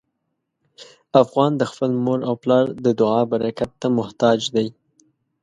افغان د خپل مور او پلار د دعا برکت ته محتاج دی.